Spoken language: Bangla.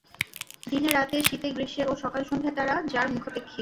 দিনে রাতে, শীতে গ্রীষ্মে ও সকাল সন্ধ্যায় তারা যার মুখাপেক্ষী।